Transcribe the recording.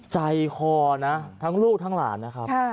ใจคอนะทั้งลูกทั้งหลานนะครับ